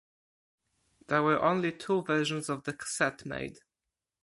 There were only two versions of the cassette made.